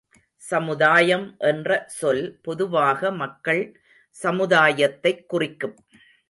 சமுதாயம் என்ற சொல் பொதுவாக மக்கள் சமுதாயத்தைக் குறிக்கும்.